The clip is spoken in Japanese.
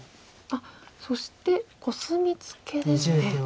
そしてコスミツケですね。